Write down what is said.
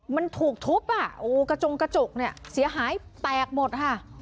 มันถูกทุบอ่ะโอ้กระจงกระจกเนี่ยเสียหายแตกหมดค่ะ